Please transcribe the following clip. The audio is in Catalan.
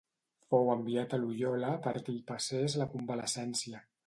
Fou enviat a Loiola perquè hi passés la convalescència.